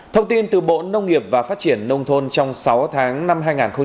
thông tin từ bộ nông nghiệp và phát triển nông thôn trong sáu tháng năm hai nghìn một mươi chín